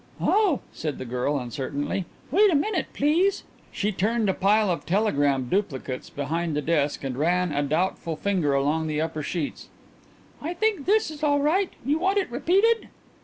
"Oh," said the girl uncertainly, "wait a minute, please." She turned to a pile of telegram duplicates behind the desk and ran a doubtful finger along the upper sheets. "I think this is all right. You want it repeated?"